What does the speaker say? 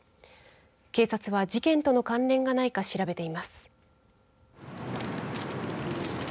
警察は事件との関連がないか調べています。